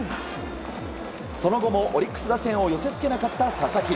その後もオリックス打線を寄せ付けなかった佐々木。